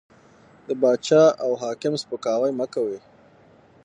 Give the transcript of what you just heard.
د باچا او حاکم سپکاوی مه کوئ!